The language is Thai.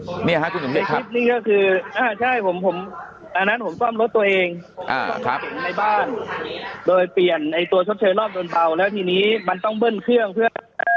คลิปนี้ก็คืออ่าใช่ผมผมอันนั้นผมซ่อมรถตัวเองในบ้านโดยเปลี่ยนไอ้ตัวชดเชยรอบโดนเบาแล้วทีนี้มันต้องเบิ้ลเครื่องเพื่อ